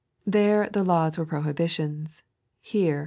There, the Laws were Prohibitions ; here.